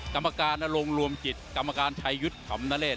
กรรมการอารมณ์รวมกิจกรรมการชายุทธ์ขำนาเลชน์